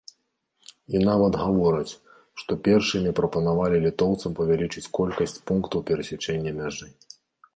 І нават гавораць, што першымі прапанавалі літоўцам павялічыць колькасць пунктаў перасячэння мяжы.